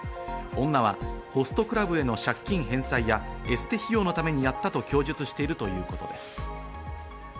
女はホストクラブへの借金返済やエステ費用のためにやったと供述しているということです。